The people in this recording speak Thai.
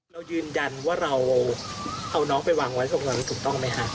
เรายืนยันว่าเราเอาน้องไปวางไว้ตรงนั้นถูกต้องไหมคะ